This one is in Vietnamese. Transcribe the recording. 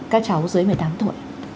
các cháu dưới một mươi tám tuổi